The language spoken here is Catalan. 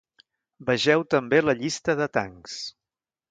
Vegeu també la Llista de tancs.